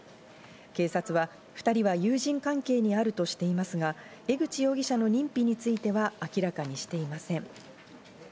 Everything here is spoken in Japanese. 警察は２人は友人関係にあるとしていますが、江口容疑者の認否については明らかにしていません。